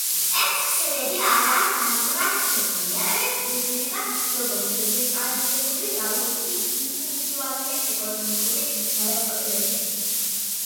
ეს ქსელები არაა განზრახ შექმნილი, არამედ გვევლინება, როგორც დეცენტრალიზებული მრავლობითი ინდივიდუალური ეკონომიკური გადაწყვეტილებების შედეგი.